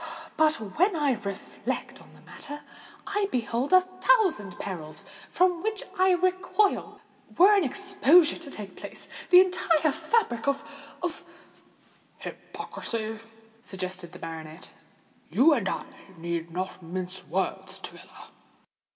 "But when I reflect on the matter, I behold a thousand perils from which I recoil. Were an exposure to take place, the entire fabric of—of——" "Hypocrisy," suggested the baronet. "You and I need not mince words together."